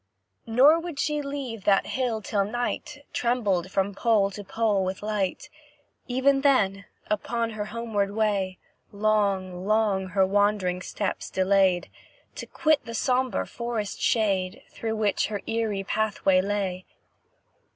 Nor would she leave that hill till night Trembled from pole to pole with light; Even then, upon her homeward way, Long long her wandering steps delayed To quit the sombre forest shade, Through which her eerie pathway lay.